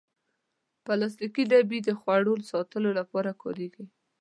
پلاستيکي ډبې د خواړو ساتلو لپاره کارېږي.